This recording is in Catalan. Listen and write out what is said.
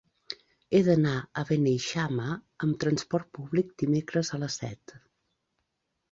He d'anar a Beneixama amb transport públic dimecres a les set.